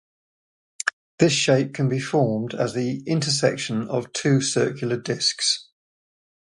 This shape can be formed as the intersection of two circular disks.